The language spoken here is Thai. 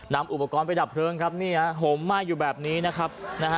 นำอุปกรณ์ไปดับเพลิงครับนี่ฮะห่มไหม้อยู่แบบนี้นะครับนะฮะ